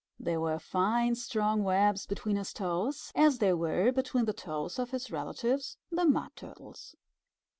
There were fine, strong webs between his toes, as there were between the toes of his relatives, the Mud Turtles.